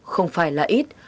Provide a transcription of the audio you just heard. không phải là ít